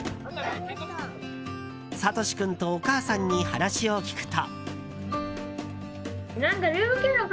さとし君とお母さんに話を聞くと。